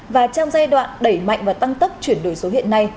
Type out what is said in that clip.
và trong giai đoạn đẩy mạnh và tăng tốc chuyển đổi số hiện nay